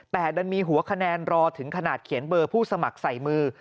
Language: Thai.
แต่ดันมีหัวคะแนนรอถึงขนาดเขียนเบอร์ผู้สมัครใส่มือ